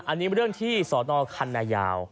อันนี้เรื่องที่สนคันนายาว